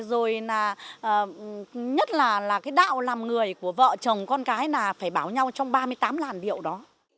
rồi là nhất là cái đạo làm người của vợ chồng con cái là phải bảo nhau trong ba mươi tám làn điệu đó